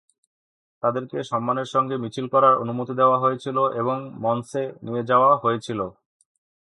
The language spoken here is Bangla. তাদেরকে সম্মানের সঙ্গে মিছিল করার অনুমতি দেওয়া হয়েছিল এবং মনসে নিয়ে যাওয়া হয়েছিল।